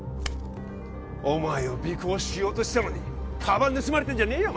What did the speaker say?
お前を尾行しようとしてたのにカバン盗まれてんじゃねえよ